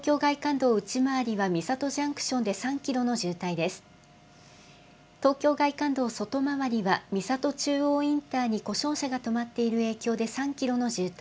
道外回りは三郷中央インターに故障車が止まっている影響で、３キロの渋滞。